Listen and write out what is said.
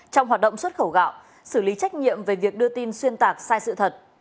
trong hoạt động xuất khẩu gạo xử lý trách nhiệm về việc đưa tin xuyên tạc sai sự thật